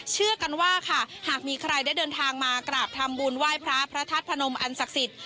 เชื่อกันว่าค่ะหากมีใครได้เดินทางมากราบทำบุญไหว้พระพระธาตุพนมอันศักดิ์สิทธิ